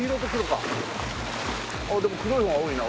あっでも黒い方が多いな。